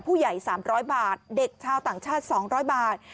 ผู้ใหญ่สามร้อยบาทเด็กชาวต่างชาติสองร้อยบาท